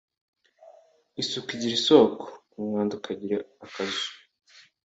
Isuku igira isoko, Umwanda ukagira akazu